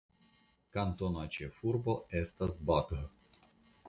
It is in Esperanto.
Kantona ĉefurbo estas Bath.